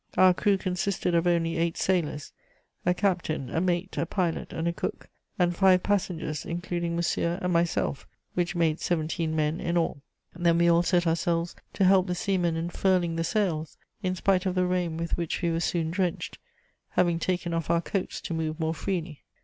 Our crew consisted of only eight sailors, a captain, a mate, a pilot and a cook, and five passengers, including Monsieur and myself, which made seventeen men in all. Then we all set ourselves to help the seamen in furling the sails, in spite of the rain with which we were soon drenched, having taken off our coats to move more freely.